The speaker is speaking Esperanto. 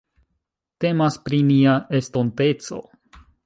Temas pri nia estonteco.